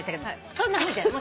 そんなふうじゃない。